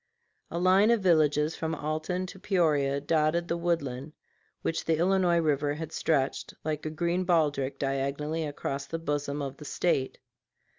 A line of villages from Alton to Peoria dotted the woodland which the Illinois River had stretched, like a green baldric, diagonally across the bosom of the State.